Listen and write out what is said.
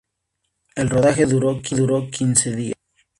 El rodaje duró quince días.